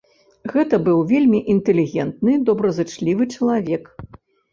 Гэта быў вельмі інтэлігентны, добразычлівы чалавек.